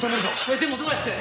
でもどうやって？